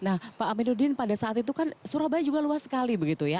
nah pak aminuddin pada saat itu kan surabaya juga luas sekali begitu ya